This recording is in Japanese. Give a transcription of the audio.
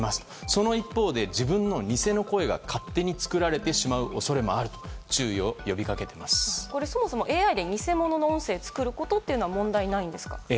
その一方で自分の偽の声が、勝手に作られてしまう恐れもあるとそもそもＡＩで偽物の音声を作ることは問題ないんですか？